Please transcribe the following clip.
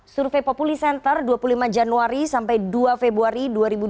survei populi center dua puluh lima januari sampai dua februari dua ribu dua puluh